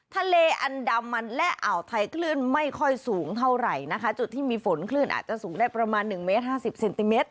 ทะเลอันดามันและอ่าวไทยคลื่นไม่ค่อยสูงเท่าไหร่นะคะจุดที่มีฝนคลื่นอาจจะสูงได้ประมาณหนึ่งเมตรห้าสิบเซนติเมตร